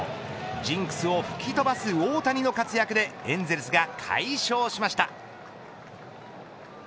ジンクスを吹き飛ばす大谷の活躍でエンゼルスが快勝しました。